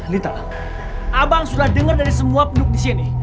lita abang sudah dengar dari semua penduduk di sini